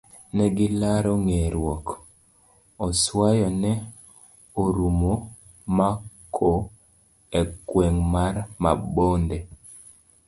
Negilaro nge'ruok. oswayo ne orumo mako e gweng' mar Mabonde.